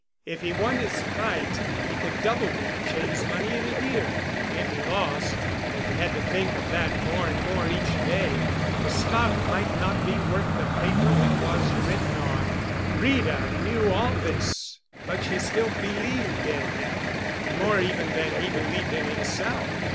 If he won his fight he could double Rita Cheyne's money in a year. If he lost—and he had to think of that more and more each day—the stock might not be worth the paper it was written on. Rita knew all this, but she still believed in him—more even than he believed in himself.